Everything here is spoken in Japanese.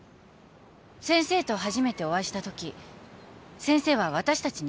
先生と初めてお会いしたとき先生は私たちに言いました。